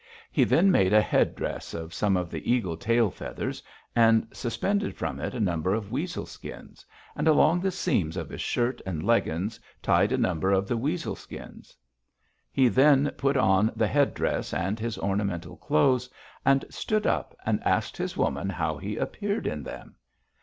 He then made a headdress of some of the eagle tail feathers, and suspended from it a number of weasel skins, and along the seams of his shirt and leggins tied a number of the weasel skins. He then put on the headdress and his ornamental clothes and stood up and asked his woman how he appeared in them.